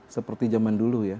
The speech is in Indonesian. seperti zaman dulu ya